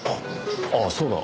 ああそうだ。